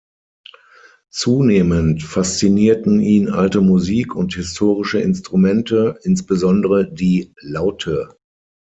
Zunehmend faszinierten ihn alte Musik und historische Instrumente, insbesondere die Laute.